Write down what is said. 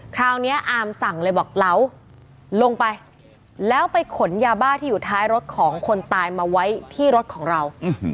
คราวนี้อามสั่งเลยบอกเหลาลงไปแล้วไปขนยาบ้าที่อยู่ท้ายรถของคนตายมาไว้ที่รถของเรา